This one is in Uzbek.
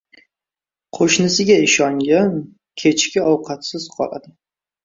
• Qo‘shnisiga ishongan kechki ovqatsiz qoladi.